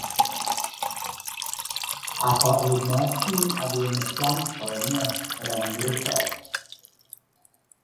Ach ba é Máirtín a bhí ina cheann foirne ar an ngrúpa.